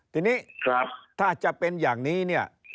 ทีนี้ถ้าจะเป็นอย่างนี้เนี่ย